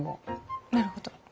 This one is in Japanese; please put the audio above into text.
なるほど。